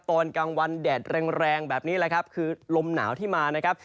ตอนกลางวันแดดแรงแบบนี้แหละครับคือลมหนาวที่มานะครับ